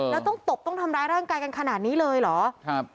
แล้วต้องตบต้องทำร้ายร่างกายกันขนาดนี้เลยเหรอครับ